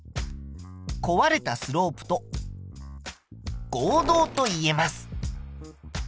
壊れたスロープと合同と言えます。